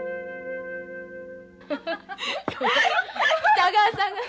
北川さんがね